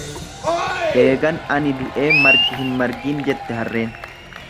Eegan ani du'ee margi hin margiin, jette harreen.